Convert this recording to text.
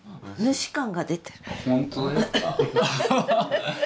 本当ですか？